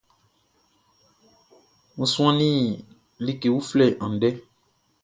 N suannin like uflɛ andɛ.